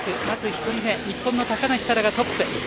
まず１人目日本の高梨沙羅がトップ。